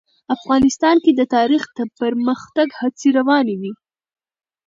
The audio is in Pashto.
افغانستان کې د تاریخ د پرمختګ هڅې روانې دي.